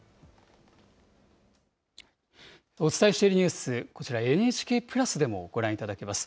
お伝えしているニュース、こちら、ＮＨＫプラスでもご覧いただけます。